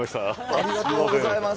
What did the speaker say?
ありがとうございます。